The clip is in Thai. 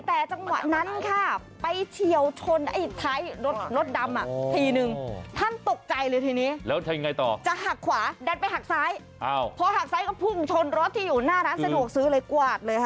เสน่หกซื้อเลยกวาดเลยครับ